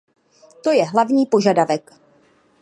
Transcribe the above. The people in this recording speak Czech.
To je hlavní požadavek.